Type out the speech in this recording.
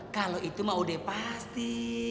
kalau itu mah udah pasti